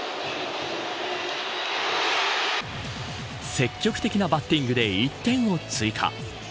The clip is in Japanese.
積極的なバッティングで１点を追加。